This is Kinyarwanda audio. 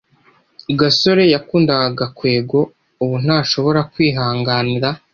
gasore yakundaga gakwego. ubu ntashobora kwihanganira